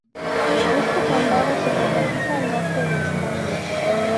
Este condado se localiza al norte de Islandia.